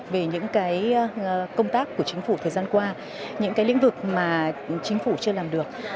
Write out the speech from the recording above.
về những công tác của chính phủ thời gian qua những lĩnh vực mà chính phủ chưa làm được